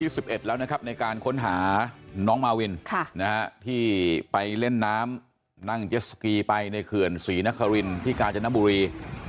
วันที่๑๑แล้วนะครับในการค้นหาน้องมาวินที่ไปเล่นน้ำนั่งเจ็ดสกีไปในเขื่อนศรีนครินที่กาญจนบุรี